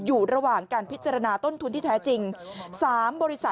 อยู่ระหว่างการพิจารณาต้นทุนที่แท้จริง๓บริษัท